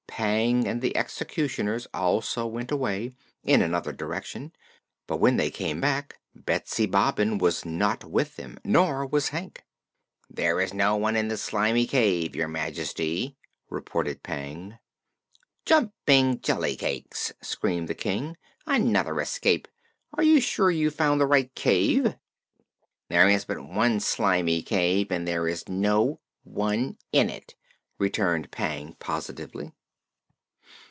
Pang and the executioners also went away, in another direction, but when they came back Betsy Bobbin was not with them, nor was Hank. "There is no one in the Slimy Cave, Your Majesty," reported Pang. "Jumping jellycakes!" screamed the King. "Another escape? Are you sure you found the right cave?" "There is but one Slimy Cave, and there is no one in it," returned Pang positively.